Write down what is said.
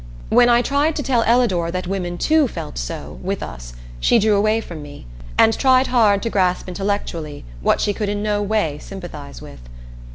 When I tried to tell Ellador that women too felt so, with us, she drew away from me, and tried hard to grasp intellectually what she could in no way sympathize with.